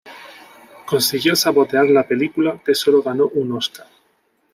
Consiguió sabotear la película, que sólo ganó un Óscar.